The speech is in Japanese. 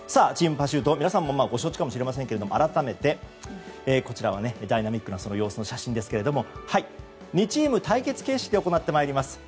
チームパシュート皆さんもご承知かもしれませんが改めてダイナミックな様子の写真ですけど２チーム対決形式で行っていきます。